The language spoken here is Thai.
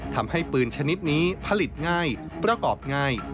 ทำให้ปืนชนิดนี้ผลิตง่ายประกอบง่าย